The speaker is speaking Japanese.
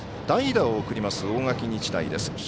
代打を送ります、大垣日大です。